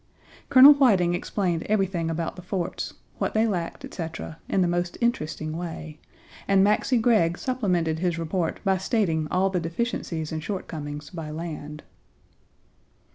Colonel Whiting explained everything about the forts, what they lacked, etc., in the most interesting way, and Maxcy Gregg supplemented his report by stating all the deficiencies and shortcomings by land.